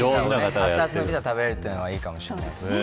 熱々のピザが食べられるのはいいかもしれないですね。